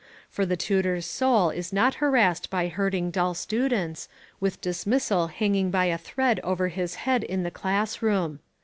For the tutor's soul is not harassed by herding dull students, with dismissal hanging by a thread over his head in the class room.